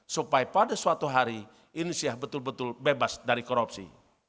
supaya pada suatu hari indonesia betul betul bebas dari korupsi